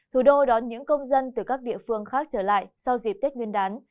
thủ đô đón những công dân từ các địa phương khác trở lại sau dịp tết nguyên đán